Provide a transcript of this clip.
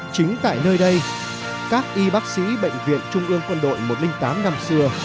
chính tại nơi đây các y bác sĩ bệnh viện trung ương quân đội một trăm linh tám năm xưa